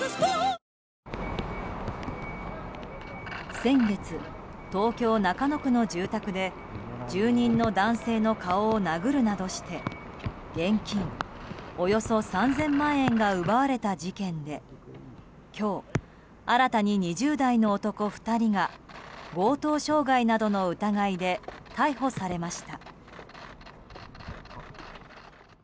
先月、東京・中野区の住宅で住人の男性の顔を殴るなどして現金およそ３０００万円が奪われた事件で今日、新たに２０代の男２人が強盗傷害などの疑いで逮捕されました。